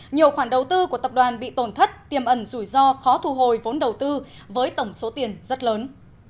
nhiều khoản đầu tư của tập đoàn bị tổn thất tiềm ẩn rủi ro khó thu hồi vốn đầu tư với tổng số tiền rất lớn